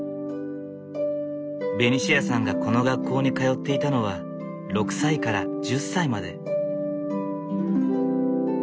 ベニシアさんがこの学校に通っていたのは６歳から１０歳まで。